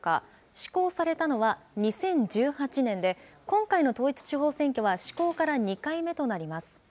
施行されたのは２０１８年で、今回の統一地方選挙は、施行から２回目となります。